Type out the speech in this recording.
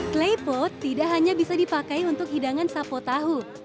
klepot tidak hanya bisa dipakai untuk hidangan sapo tahu